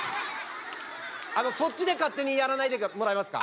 あのそっちで勝手にやらないでもらえますか？